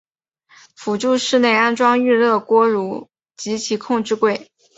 辅助室内安装预热锅炉及其控制柜。